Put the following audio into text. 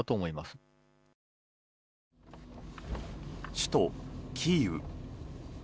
首都キーウ。